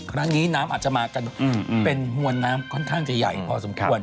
น้ำอาจจะมากันเป็นมวลน้ำค่อนข้างจะใหญ่พอสมควร